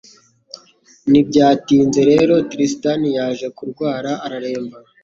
Ntibyatinze rero Tristan yaje kurwara araremba